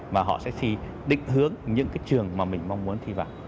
mà họ sẽ định hướng những cái trường mà mình mong muốn thi vào